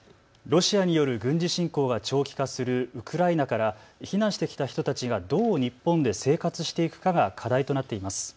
ロシアによる軍事侵攻が長期化するウクライナから避難してきた人たちがどう日本で生活していくかが課題となっています。